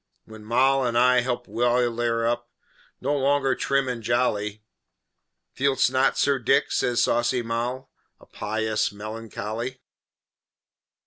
When Moll and I helped Wildair up, No longer trim and jolly "Feelst not, Sir Dick," says saucy Moll, "A Pious Melancholy?"